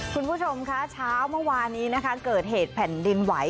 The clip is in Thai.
คุณผู้ชมคะเช้าเมื่อวานนี้นะคะเกิดเหตุแผ่นดินไหว